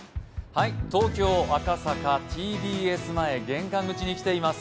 東京・赤坂、ＴＢＳ前玄関口に来ています。